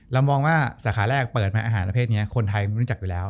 เรามองว่าสาขาแรกเปิดมาอาหารประเภทนี้คนไทยไม่รู้จักอยู่แล้ว